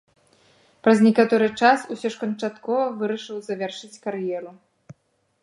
Праз некаторы час усё ж канчаткова вырашыў завяршыць кар'еру.